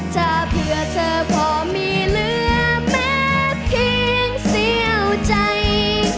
ถ้าเผื่อเธอพอมีเหลือแม้เพียงเสี่ยวใจ